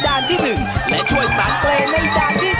ในด้านที่๑และช่วยสังเกณฑ์ในด้านที่๒